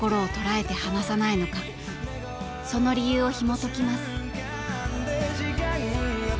その理由をひもときます。